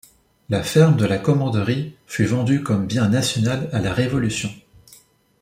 La ferme de la commanderie fut vendue comme bien national à la Révolution.